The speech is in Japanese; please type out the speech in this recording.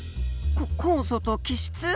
こ酵素と基質？